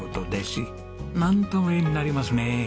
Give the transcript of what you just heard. なんとも絵になりますね。